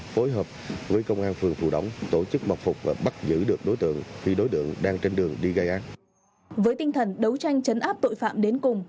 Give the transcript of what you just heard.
với tinh thần đấu tranh chấn áp tội phạm đến cùng